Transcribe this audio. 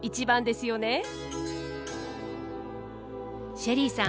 ＳＨＥＬＬＹさん